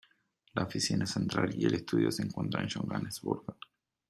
La oficina central y el estudio se encuentran en Johannesburgo.